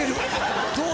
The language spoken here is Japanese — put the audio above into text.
どう？